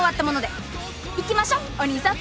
行きましょうお兄さん。